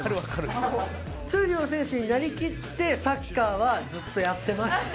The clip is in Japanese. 闘莉王選手になりきってサッカーはずっとやってました